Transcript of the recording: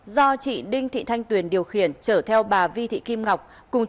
do chị đinh thị thanh tuyền điều khiển chở theo bà vi thị kim ngọc